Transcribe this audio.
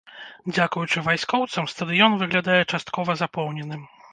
Дзякуючы вайскоўцам, стадыён выглядае часткова запоўненым.